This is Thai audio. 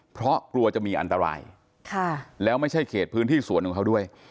เพราะกลัวจะมีอันตรายแล้วไม่ใช่เขตพื้นที่สวนของเขาด้วย